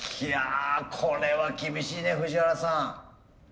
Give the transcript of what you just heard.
いやこれは厳しいね藤原さん。